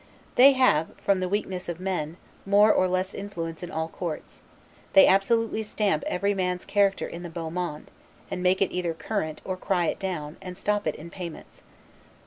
They have, from the weakness of men, more or less influence in all courts; they absolutely stamp every man's character in the beau monde, and make it either current, or cry it down, and stop it in payments.